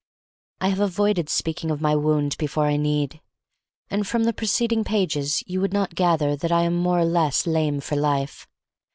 I have avoided speaking of my wound before I need, and from the preceding pages you would not gather that I am more or less lame for life.